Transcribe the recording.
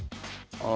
ああ！